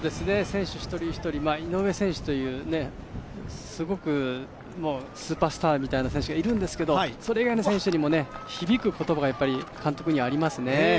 選手一人一人、井上選手というすごくスーパースターみたいな選手がいるんですけどそれ以外の選手にも響く言葉がやっぱり監督にはありますね。